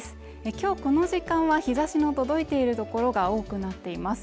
今日この時間は日差しも届いているところが多くなっています